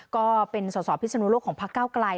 ก็เป็นสอสอพิศนุโลกของพักเก้าไกล